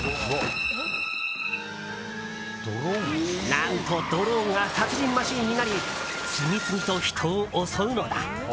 何と、ドローンが殺人マシーンになり次々と人を襲うのだ。